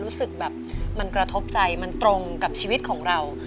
รู้สึกแบบมันกระทบใจมันตรงกับชีวิตของเรา